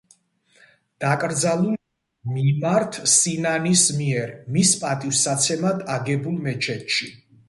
დაკრძალულია მიმარ სინანის მიერ, მის პატივსაცემად აგებულ მეჩეთში.